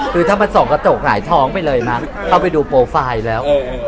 คือถ้ามันส่องกระจกหายท้องไปเลยมั้งเข้าไปดูโปรไฟล์แล้ว